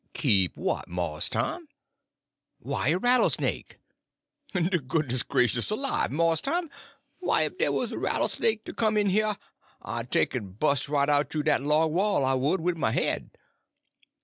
"Keep what, Mars Tom?" "Why, a rattlesnake." "De goodness gracious alive, Mars Tom! Why, if dey was a rattlesnake to come in heah I'd take en bust right out thoo dat log wall, I would, wid my head."